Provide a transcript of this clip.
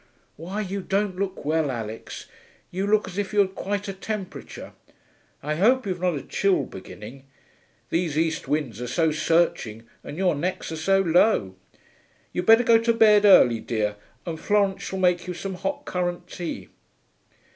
'Why, you don't look well, Alix. You look as if you had quite a temperature. I hope you've not a chill beginning. These east winds are so searching and your necks are so low. You'd better go to bed early, dear, and Florence shall make you some hot currant tea.'